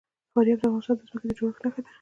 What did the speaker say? فاریاب د افغانستان د ځمکې د جوړښت نښه ده.